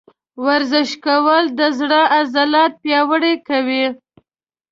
ورزش کول د زړه عضلات پیاوړي کوي.